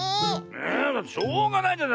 えだってしょうがないじゃない。